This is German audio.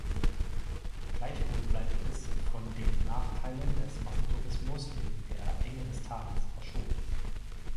Gleichwohl bleibt es von den Nachteilen des Massentourismus wegen der Enge des Tales verschont.